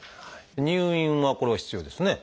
入院がこれは必要ですね。